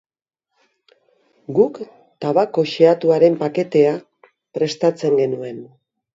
Guk tabako xehatuaren paketea prestatzen genuen.